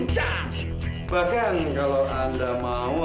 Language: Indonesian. tahan kota tau